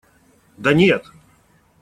Да нет!